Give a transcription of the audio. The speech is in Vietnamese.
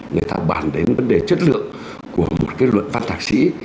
người ta bàn đến vấn đề chất lượng của một cái luận văn thạc sĩ